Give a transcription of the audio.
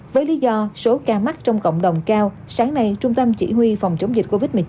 với lý do số ca mắc trong cộng đồng cao sáng nay trung tâm chỉ huy phòng chống dịch covid một mươi chín